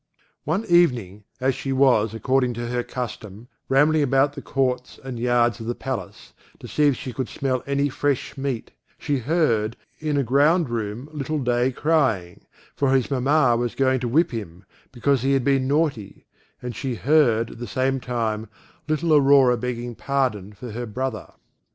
One evening, as she was, according to her custom, rambling round about the courts and yards of the palace, to see if she could smell any fresh meat, she heard, in a ground room little Day crying, for his mamma was going to whip him, because he had been naughty; and she heard, at the same time, little Aurora begging pardon for her brother.